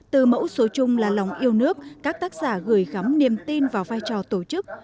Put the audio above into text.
từ mẫu số chung là lòng yêu nước các tác giả gửi gắm niềm tin vào vai trò tổ chức